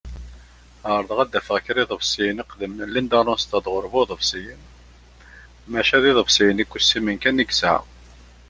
Ɛerḍeɣ ad d-afeɣ kra iḍebsiyen iqdimen n Linda Ronstadt ɣur bu-iḍebsiyen, maca d iḍebsiyen ikussimen kan i yesεa.